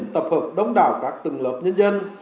tập hợp đống đảo các từng lớp nhân dân